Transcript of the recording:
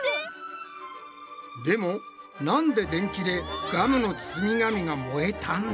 でもなんで電池でガムの包み紙が燃えたんだ？